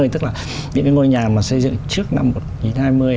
tức là những cái ngôi nhà mà xây dựng trước năm hai nghìn hai mươi là nhiều lắm rồi